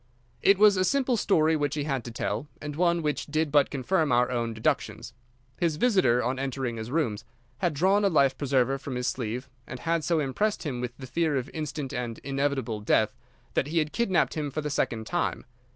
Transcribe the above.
It was a simple story which he had to tell, and one which did but confirm our own deductions. His visitor, on entering his rooms, had drawn a life preserver from his sleeve, and had so impressed him with the fear of instant and inevitable death that he had kidnapped him for the second time.